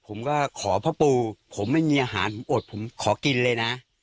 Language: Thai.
ผมก็ขอพ่อปู่ผมไม่มีอาหารผมอดผมขอกินเลยนะ